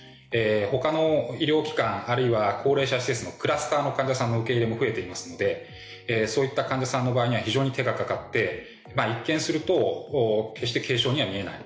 ほかの医療機関あるいは高齢者施設のクラスターの患者さんの受け入れも増えていますのでそういった患者さんの場合には非常に手がかかって一見すると決して軽症には見えない。